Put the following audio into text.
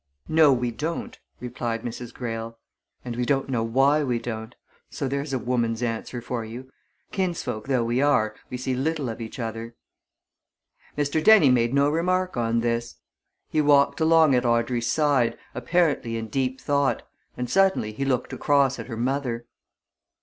"No, we don't," replied Mrs. Greyle. "And we don't know why we don't so there's a woman's answer for you. Kinsfolk though we are, we see little of each other." Mr. Dennie made no remark on this. He walked along at Audrey's side, apparently in deep thought, and suddenly he looked across at her mother.